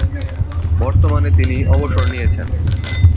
বর্তমানে তিনি অবসর নিয়েছেন।